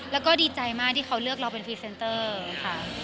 แล้วก็ดีใจมากที่เขาเลือกเราเป็นพรีเซนเตอร์ค่ะ